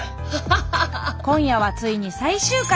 今夜はついに最終回！